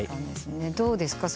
どうですか？